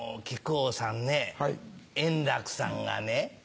木久扇さんね円楽さんがね